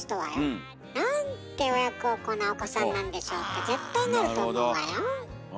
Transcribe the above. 「なんて親孝行なお子さんなんでしょう」って絶対なると思うわよ。